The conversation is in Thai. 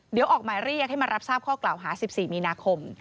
เดี๋ยวออกหมายเรียกให้มารับทราบข้อกล่าวหา๑๔มีนาคม